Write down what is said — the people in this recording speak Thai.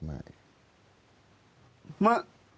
อา